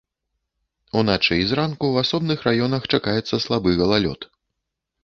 Уначы і зранку ў асобных раёнах чакаецца слабы галалёд.